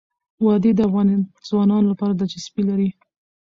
وادي د افغان ځوانانو لپاره دلچسپي لري.